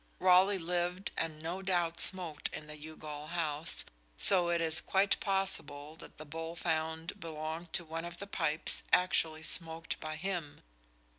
Raleigh lived and no doubt smoked in the Youghal house, so it is quite possible that the bowl found belonged to one of the pipes actually smoked by him.